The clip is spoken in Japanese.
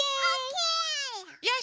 よし！